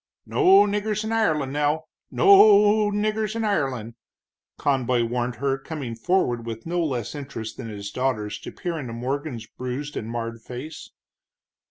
"No niggers in Ireland, now no o o niggers in Ireland!" Conboy warned her, coming forward with no less interest than his daughter's to peer into Morgan's bruised and marred face.